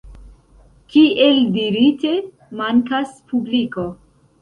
Kiel dirite, mankas publiko.